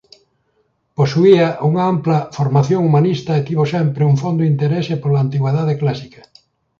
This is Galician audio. Posuía unha ampla formación humanista e tivo sempre un fondo interese pola Antigüidade clásica.